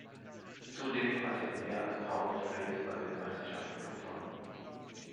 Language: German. Zudem hat er mehr als tausend Frames bei Weltmeisterschaften gewonnen.